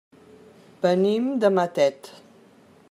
Venim de Matet.